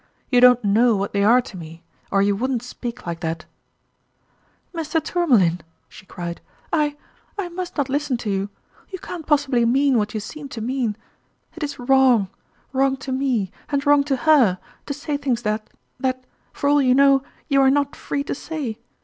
You don't know what they are to me, or you wouldn't speak like that !"" Mr. Tourmalin !" she cried, " I I must not listen to you ! You can't possibly mean what you seem to mean. It is wrong wrong to me, and wrong to her to say things that that, for all you know, you are not free to say